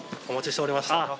お待ちしておりました。